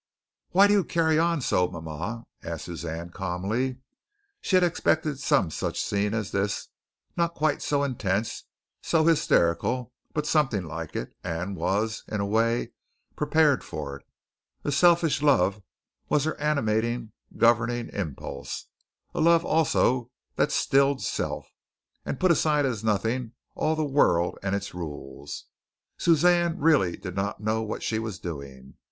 "Why do you carry on so, mama?" asked Suzanne calmly. She had expected some such scene as this not quite so intense, so hysterical, but something like it, and was, in a way, prepared for it. A selfish love was her animating, governing impulse a love also that stilled self, and put aside as nothing all the world and its rules. Suzanne really did not know what she was doing.